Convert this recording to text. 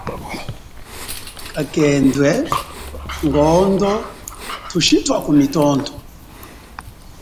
Kakhendwe, ngondo thushitu akumitondo.